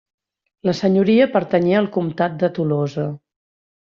La senyoria pertanyé al comtat de Tolosa.